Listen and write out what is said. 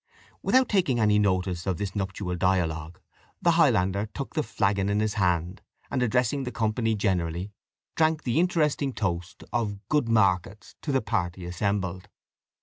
Without taking any notice of this nuptial dialogue, the Highlander took the flagon in his hand, and addressing the company generally, drank the interesting toast of "Good markets," to the party assembled.